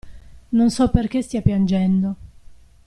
Non so perché stia piangendo.